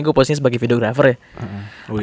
gue posisinya sebagai videographer ya